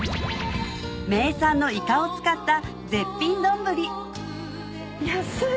名産のイカを使った絶品どんぶり安い。